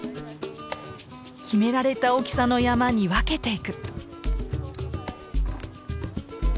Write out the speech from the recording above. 決められた大きさの山に分けていく。